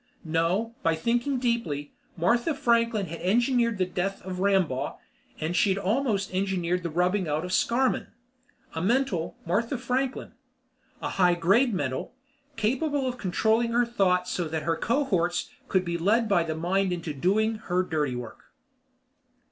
No, by thinking deeply, Martha Franklin had engineered the death of Rambaugh and she'd almost engineered the rubbing out of Scarmann. A mental, Martha Franklin. A high grade mental, capable of controlling her thoughts so that her cohorts could be led by the mind into doing her dirty work.